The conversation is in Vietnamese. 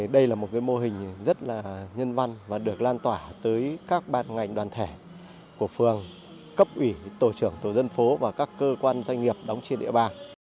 đây là một mô hình rất nhân văn và được lan tỏa tới các ban ngành đoàn thể của phường cấp ủy tổ trưởng tổ dân phố và các cơ quan doanh nghiệp đóng trên địa bàn